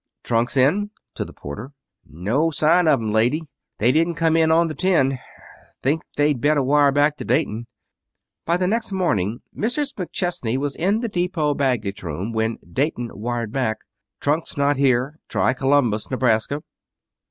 "Trunks in?" to the porter. "No sign of 'em, lady. They didn't come in on the ten. Think they'd better wire back to Dayton." But the next morning Mrs. McChesney was in the depot baggage room when Dayton wired back: _"Trunks not here. Try Columbus, Nebraska."